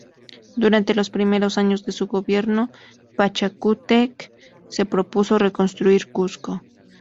Durante los primeros años de su gobierno, Pachacútec se propuso reconstruir Cusco.